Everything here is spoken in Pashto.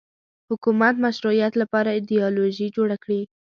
حکومت مشروعیت لپاره ایدیالوژي جوړه کړي